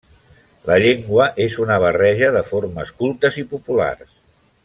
La llengua és una barreja de formes cultes i populars.